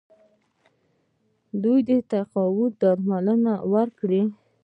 دوی ته تقاعد او درملنه ورکوي.